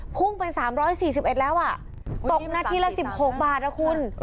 พุ่งเป็น๓๔๑แล้วตกนาทีละ๑๖บาทนะคุณ